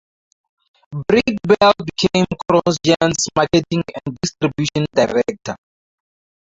Breitbiel became CrossGen's Marketing and Distribution Director.